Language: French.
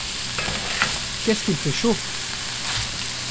Qu’est-ce qu’il fait chaud !